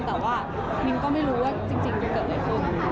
แต่ว่ามิวก็ไม่รู้ว่าจริงมันเกิดอะไรขึ้น